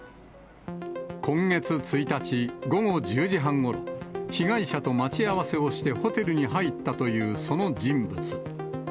今月１日午後１０時半ごろ、被害者と待ち合わせをしてホテルに入ったというその人物。